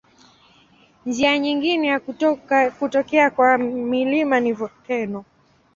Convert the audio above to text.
Njia nyingine ya kutokea kwa milima ni volkeno.